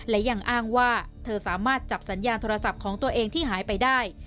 และยังอ้างว่าเธอสามารถจับสัญญาณโทรศัพท์ของตัวเองที่หายไปได้